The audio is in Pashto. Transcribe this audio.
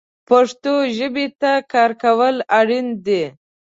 پښتو ژبې ته کار کول اړین دي